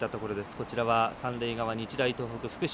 こちらは三塁側、日大東北、福島。